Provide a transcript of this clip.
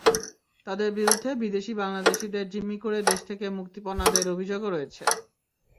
তাঁদের বিরুদ্ধে বিদেশে বাংলাদেশিদের জিম্মি করে দেশ থেকে মুক্তিপণ আদায়ের অভিযোগও রয়েছে।